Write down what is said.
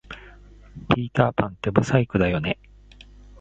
ピーターパンって不細工だよね